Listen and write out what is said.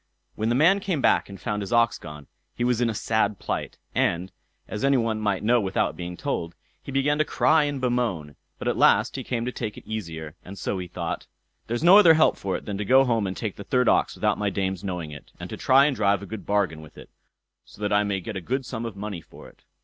When the man came back and found his ox gone, he was in a sad plight, and, as any one might know without being told, he began to cry and bemoan; but at last he came to take it easier, and so he thought: "There's no other help for it than to go home and take the third ox without my dame's knowing it, and to try and drive a good bargain with it, so that I may get a good sum of money for it."